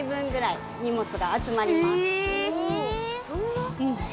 そんな？